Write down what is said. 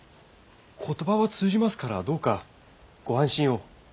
言葉は通じますからどうかご安心を。